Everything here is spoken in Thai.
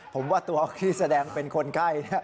ผมว่าตัวพี่แสดงเป็นคนใกล้